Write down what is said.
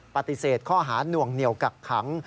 ปฏิเสธข้อหาหน่วงเหนียวกักขัง